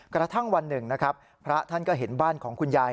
กระทั่งวันหนึ่งนะครับพระท่านก็เห็นบ้านของคุณยาย